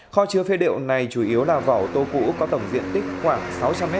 kho chứa phế liệu này chủ yếu là vỏ tô cũ có tổng diện tích khoảng sáu trăm linh m hai